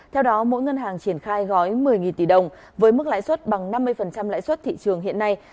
theo đó mỗi ngân hàng triển khai gói một mươi tỷ đồng với mức lãi suất bằng năm mươi lãi suất thị trường hiện nay